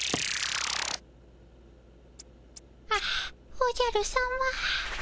あっおじゃるさま。